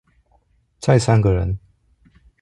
再三個人